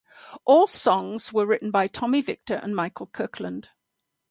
All songs were written by Tommy Victor and Michael Kirkland.